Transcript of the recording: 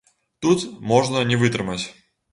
Тут можна не вытрымаць.